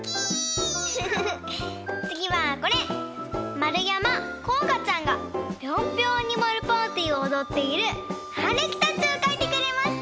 まるやまこうがちゃんが「ピョンピョンアニマルパーティー」をおどっているはるきたちをかいてくれました！